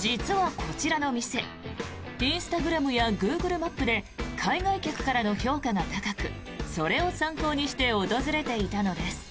実はこちらの店インスタグラムやグーグルマップで海外客からの評価が高くそれを参考にして訪れていたのです。